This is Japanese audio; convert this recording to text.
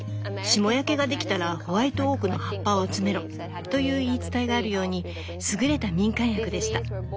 霜焼けができたらホワイトオークの葉っぱを集めろという言い伝えがあるようにすぐれた民間薬でした。